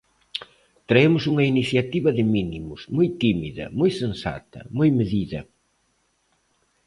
Traemos unha iniciativa de mínimos, moi tímida, moi sensata, moi medida.